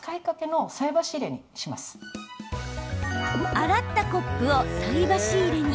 洗ったコップを菜箸入れに。